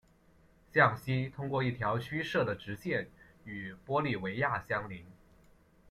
向西通过一条虚设的直线与玻利维亚相邻。